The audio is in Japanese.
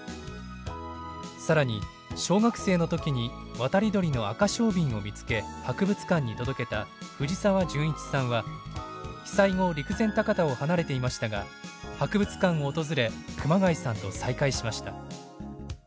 更に小学生の時に渡り鳥のアカショウビンを見つけ博物館に届けた藤澤純一さんは被災後陸前高田を離れていましたが博物館を訪れ熊谷さんと再会しました。